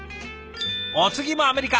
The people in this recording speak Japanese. お次もアメリカ。